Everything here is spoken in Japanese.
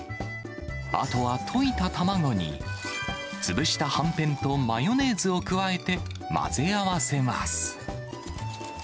あとは溶いた卵に、潰したはんぺんとマヨネーズを加えて混ぜ合わせます。